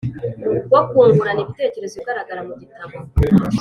wo kungurana ibitekerezo ugaragara mu gitabo